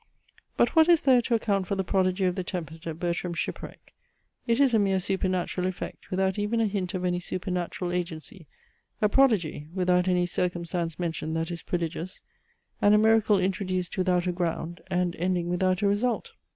But what is there to account for the prodigy of the tempest at Bertram's shipwreck? It is a mere supernatural effect, without even a hint of any supernatural agency; a prodigy, without any circumstance mentioned that is prodigious; and a miracle introduced without a ground, and ending without a result.